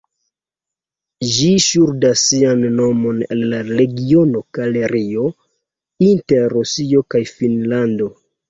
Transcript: Ĝi ŝuldas sian nomon al la regiono Karelio inter Rusio kaj Finnlando.